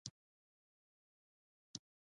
سفرنامه د ابن بطوطه یوازینی اثر دی.